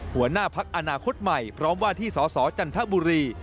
หัวหน้าพักอนาคตใหม่พร้อมว่าที่สสจันทบุรี